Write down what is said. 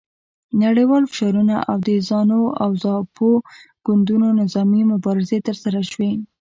نړیوال فشارونه او د زانو او زاپو ګوندونو نظامي مبارزې ترسره شوې.